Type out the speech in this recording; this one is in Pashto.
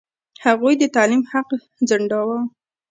هغوی د تعلیم حق ځنډاوه.